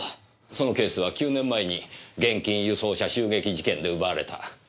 そのケースは９年前に現金輸送車襲撃事件で奪われた３億円ですねえ。